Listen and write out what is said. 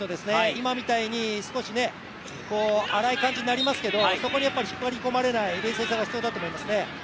今みたいに、少し荒い感じになりますけれども、そこに引っ張り込まれない冷静さが必要だと思いますね。